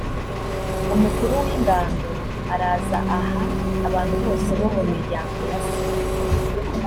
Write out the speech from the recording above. umukuru w ingando araza aha abantu bose bo mu miryango ya se